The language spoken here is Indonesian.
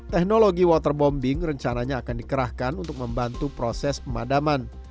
teknologi waterbombing rencananya akan dikerahkan untuk membantu proses pemadaman